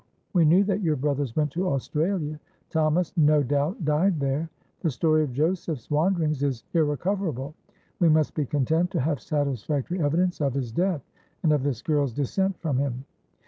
We knew that your brothers went to Australia. Thomas, no doubt, died there. The story of Joseph's wanderings is irrecoverable; we must be content to have satisfactory evidence of his death, and of this girl's descent from him."